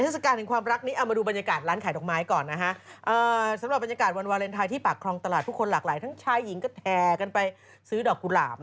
สำหรับบรรยากาศวันวาเลนไทยที่ปากครองตลาดผู้คนหลากหลายทั้งชายหญิงก็แทรกันไปซื้อดอกกุหลาบ